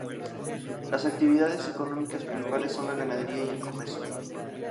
Las actividades económicas principales son la ganadería y el comercio.